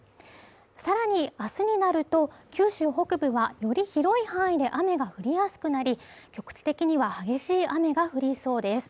さらに、明日になると九州北部は、より広い範囲で雨が降りやすくなり、局地的には激しい雨が降りそうです